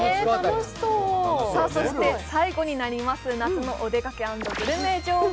最後になります夏のお出かけ＆グルメ情報。